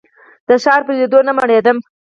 د ښار په لیدو نه مړېدم.